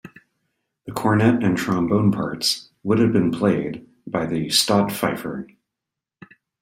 The cornett and trombone parts would have been played by the Stadtpfeifer.